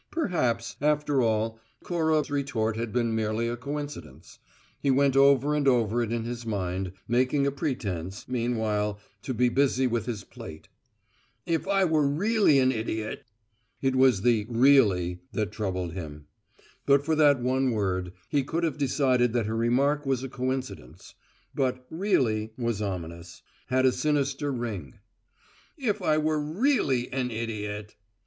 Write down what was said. Perhaps, after all, Cora's retort had been merely a coincidence. He went over and over it in his mind, making a pretence, meanwhile, to be busy with his plate. "If I were really an idiot." ... It was the "really" that troubled him. But for that one word, he could have decided that her remark was a coincidence; but "really" was ominous; had a sinister ring. "If I were really an idiot!"